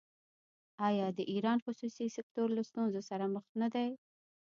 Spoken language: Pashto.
آیا د ایران خصوصي سکتور له ستونزو سره مخ نه دی؟